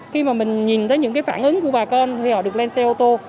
khi mà mình nhìn thấy những phản ứng của bà con khi họ được lên xe ô tô